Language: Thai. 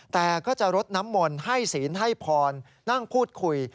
แต่ก็จะรดน้ำมนต์ให้ศีลให้พรนั่งพูดคุย